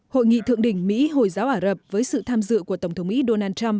hội nghị thượng đỉnh mỹ hồi giáo ả rập với sự tham dự của tổng thống mỹ donald trump